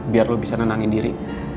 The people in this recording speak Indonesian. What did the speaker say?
biar lo bisa nenangin diri